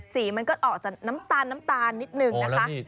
สีมันก็ออกจากน้ำตาลนิดนึงนะคะ